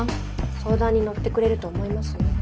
相談に乗ってくれると思いますよ。